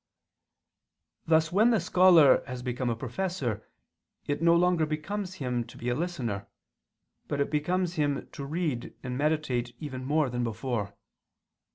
Thus when the scholar has become a professor it no longer becomes him to be a listener, but it becomes him to read and meditate even more than before.